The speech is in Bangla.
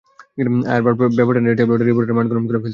আয়ার ব্যাপারটা নিয়ে ট্যাবলয়েডের রিপোর্টাররা মাঠ গরম করে ফেলছে!